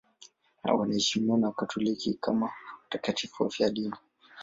Wanaheshimiwa na Kanisa Katoliki kama watakatifu wafiadini.